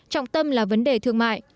trọng tâm là vấn đề thương mại